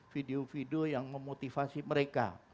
video video yang memotivasi mereka